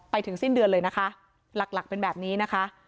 ไปถึงสิ้นเดือนเลยนะคะหลักหลักเป็นแบบนี้นะคะ